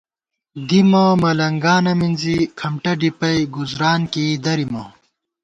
دِیمہ ملَنگانہ مِنزی، کھمٹہ ڈِپَئ، گُزُران کېئ درِیمہ